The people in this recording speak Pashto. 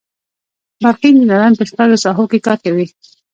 برقي انجینران په شپږو ساحو کې کار کوي.